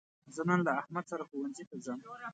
زه نن له احمد سره ښوونځي ته ځم.